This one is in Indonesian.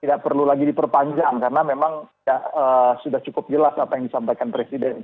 tidak perlu lagi diperpanjang karena memang sudah cukup jelas apa yang disampaikan presiden